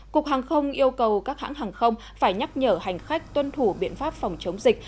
cục hàng không yêu cầu các hãng hàng không phải nhắc nhở hành khách tuân thủ biện pháp phòng chống dịch